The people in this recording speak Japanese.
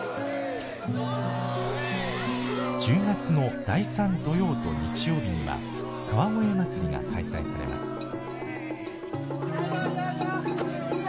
１０月の第３土曜日と日曜日には、川越まつりが開催されます。